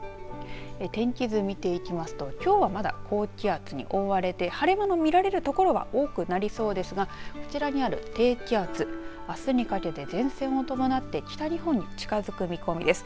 天気図、見ていきますときょうはまだ高気圧に覆われて晴れ間の見られる所が多くなりそうですがこちらにある低気圧あすにかけて前線を伴って北日本に近づく見込みです。